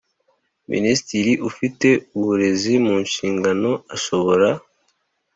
Minisitiri ufite uburezi mu nshingano ashobora